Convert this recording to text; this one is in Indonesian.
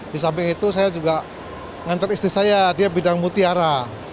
di samping itu saya juga nganter istri saya dia bidang mutiara